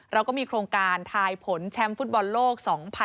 เราก็มีโครงการทายผลแชมป์ฟุตบอลโลก๒๐๑๖